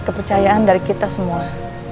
kepercayaan dari kita semua